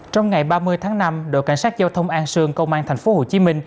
trong ngày ba mươi tháng năm đội cảnh sát giao thông an sương công an tp hcm